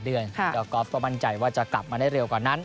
เดือนแล้วกอล์ฟก็มั่นใจว่าจะกลับมาได้เร็วกว่านั้น